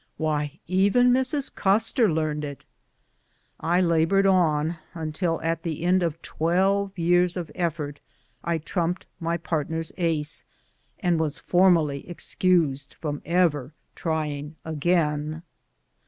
Why, even Mrs. Custer learned it !" I labored on, until at the end of twelve years of effort I trumped my part ner's ace, and was formally excused from ever trying again.